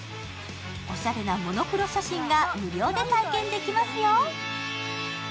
おしゃれなモノクロ写真が無料で体験できますよ。